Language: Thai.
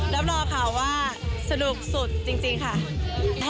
แล้วรอข่าวว่าสนุกสุดจริงค่ะ